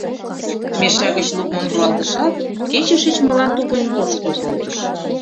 Мешак гыч лукмым руалтышат, кече шичмылан тупынь ошкыл колтыш.